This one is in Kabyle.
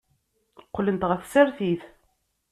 Qqlent ɣer tsertit.